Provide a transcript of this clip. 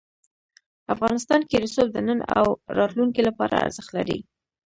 افغانستان کې رسوب د نن او راتلونکي لپاره ارزښت لري.